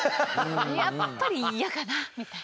やっぱりイヤかなみたいな。